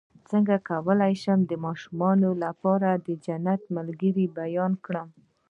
څنګه کولی شم د ماشومانو لپاره د جنت ملګري بیان کړم